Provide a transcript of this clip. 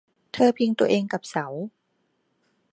เธอพิงตัวเองกับเสา